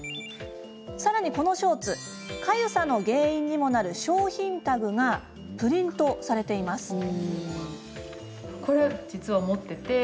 さらに、このショーツかゆさの原因にもなる商品タグがプリントされています。